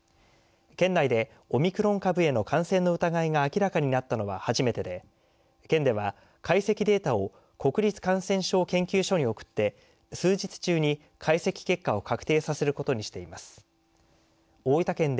県内でオミクロン株への感染の疑いが明らかになったのは初めてで県では、解析データを国立感染症研究所に送って数日中に解析結果を